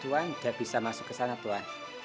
tuan tidak bisa masuk ke sana tuan